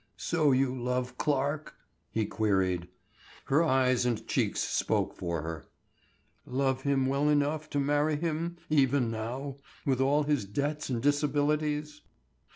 "So you love Clarke?" he queried. Her eyes and cheeks spoke for her. "Love him well enough to marry him even now, with all his debts and disabilities?"